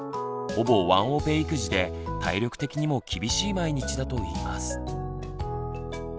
ほぼワンオペ育児で体力的にも厳しい毎日だといいます。